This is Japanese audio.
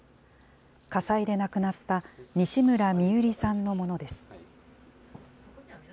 火災で亡くなった西村美夕璃さんのものです。